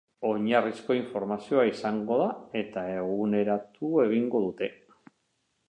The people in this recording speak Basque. Oinarrizko informazioa izango da eta eguneratu egingo dute.